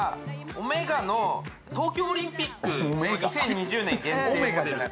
オメーガの東京オリンピックの２０２０年限定モデル。